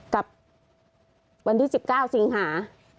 กับวันที่๑๙สิงหา